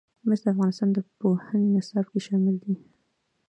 مس د افغانستان د پوهنې نصاب کې شامل دي.